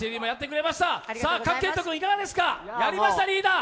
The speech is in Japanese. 賀来賢人君、いかがですか、やりましたリーダー！